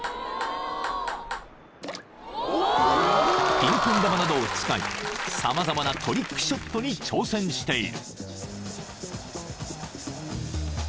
［ピンポン球などを使い様々なトリックショットに挑戦している］